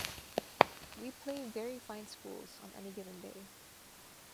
We play very fine schools on any given day.